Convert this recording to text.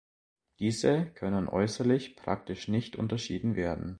Diese können äußerlich praktisch nicht unterschieden werden.